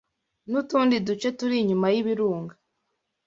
n’utundi duce turi inyuma y’ibirunga